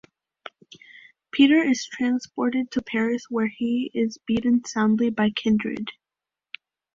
Peter is transported to Paris where he is beaten soundly by Kindred.